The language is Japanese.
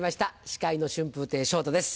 司会の春風亭昇太です